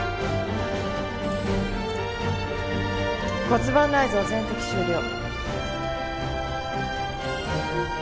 骨盤内臓全摘終了。